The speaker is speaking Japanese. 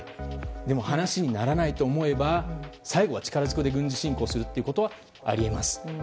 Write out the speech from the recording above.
でも話にならないと思えば最後は力づくで軍事侵攻することはあり得ます。